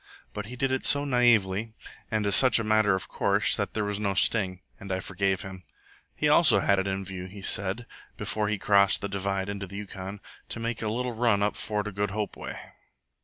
But he did it so naively and as such a matter of course, that there was no sting, and I forgave him. He also had it in view, he said, before he crossed the divide into the Yukon, to make a little run up Fort o' Good Hope way.